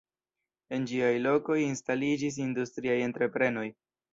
En ĝiaj lokoj instaliĝis industriaj entreprenoj.